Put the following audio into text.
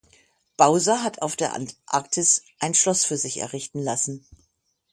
Bowser hat auf der Antarktis ein Schloss für sich errichten lassen.